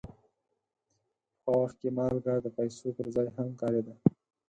پخوا وخت کې مالګه د پیسو پر ځای هم کارېده.